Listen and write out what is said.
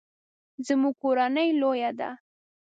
زموږ کورنۍ لویه ده